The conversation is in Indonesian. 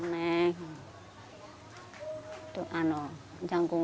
maka sekarang saya janggung